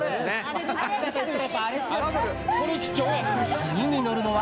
次に乗るのは。